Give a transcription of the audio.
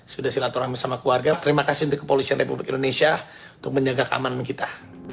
sudah silaturahmi sama keluarga terima kasih untuk kepolisian republik indonesia untuk menjaga keamanan kita